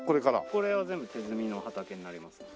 これは全部手摘みの畑になりますね。